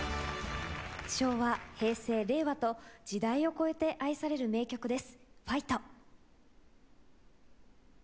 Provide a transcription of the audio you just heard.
昭和平成令和と時代を超えて愛される名曲です。